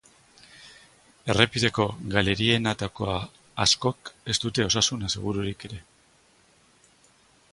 Errepideko galerianoetako askok ez dute osasun asegururik ere.